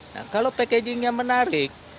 nah kalau packaging yang menarik